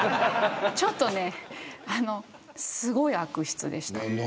ちょっと、すごい悪質でした。